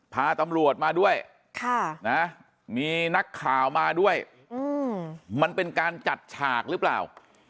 พาตำรวจมาด้วยมีนักข่าวมาด้วยมันเป็นการจัดฉากหรือเปล่า